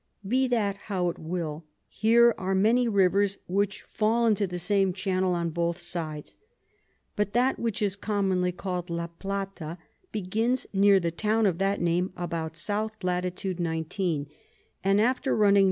Be that how it will, here are many Rivers which fall into the same Channel on both sides. But that which is commonly call'd La Plata, begins near the Town of that Name about S. Lat. 19. and after running N.